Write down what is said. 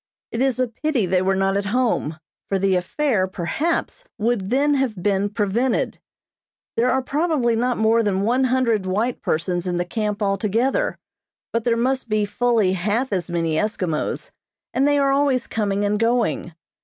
It is a pity they were not at home, for the affair, perhaps, would then have been prevented. There are probably not more than one hundred white persons in the camp altogether, but there must be fully half as many Eskimos, and they are always coming and going.